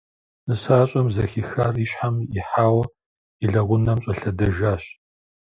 Нысащӏэм, зэхихар и щхьэм ихьауэ, и лэгъунэм щӏэлъэдэжащ.